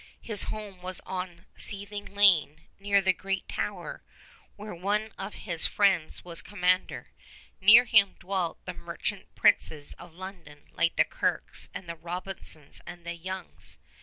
His home was on Seething Lane near the great Tower, where one of his friends was commander. Near him dwelt the merchant princes of London like the Kirkes and the Robinsons and the Youngs.